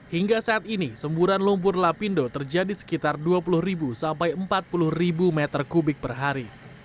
hingga saat ini semburan lumpur lapindo terjadi sekitar dua puluh sampai empat puluh meter kubik per hari